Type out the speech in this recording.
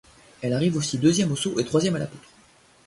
Elle arrive aussi deuxième au saut et troisième à la poutre.